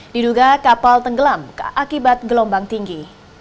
diduga kapal tenggelam akibat gelombang tinggi